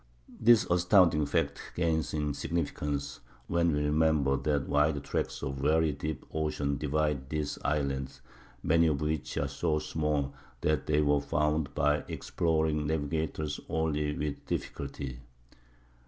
This astounding fact gains in significance when we remember that wide tracts of very deep ocean divide these islands, many of which are so small that they were found by exploring navigators only with difficulty.